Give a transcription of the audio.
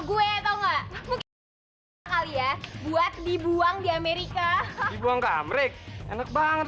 gue tahu nggak mungkin kali ya buat dibuang di amerika dibuang ke amrik enak banget